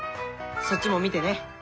そっちも見てね。